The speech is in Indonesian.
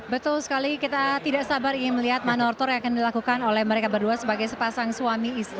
betul sekali kita tidak sabar ingin melihat manortor yang akan dilakukan oleh mereka berdua sebagai sepasang suami istri